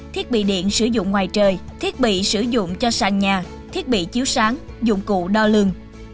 thiết bị điện sử dụng ngoài trời thiết bị sử dụng cho sàn nhà thiết bị chiếu sáng dụng cụ đo lương